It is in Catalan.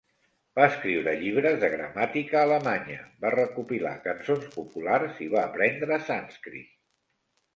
Va escriure llibres de gramàtica alemanya, va recopilar cançons populars i va aprendre sànscrit.